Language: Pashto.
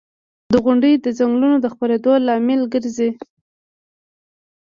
• غونډۍ د ځنګلونو د خپرېدو لامل ګرځي.